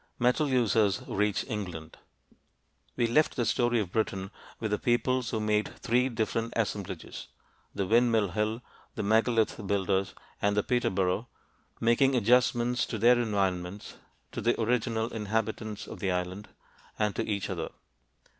METAL USERS REACH ENGLAND We left the story of Britain with the peoples who made three different assemblages the Windmill Hill, the megalith builders, and the Peterborough making adjustments to their environments, to the original inhabitants of the island, and to each other.